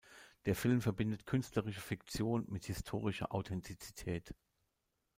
Der Film verbindet künstlerische Fiktion mit historischer Authentizität.